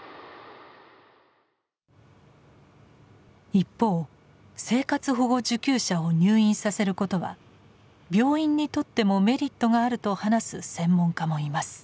一方生活保護受給者を入院させることは病院にとってもメリットがあると話す専門家もいます。